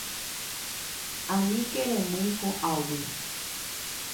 Aníke remýi ko'águi.